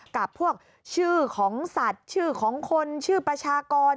กับพวกชื่อของสัตว์ชื่อของคนชื่อประชากร